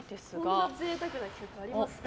こんな贅沢な企画ありますか。